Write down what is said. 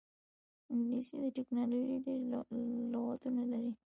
انګلیسي د ټیکنالوژۍ ډېری لغتونه لري